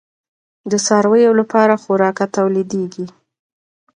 د څارویو لپاره خوراکه تولیدیږي؟